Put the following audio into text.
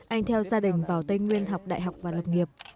anh theo gia đình vào tây nguyên học đại học và lập nghiệp